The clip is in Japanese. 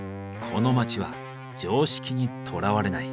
この街は常識にとらわれない。